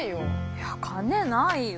いや金ないわ。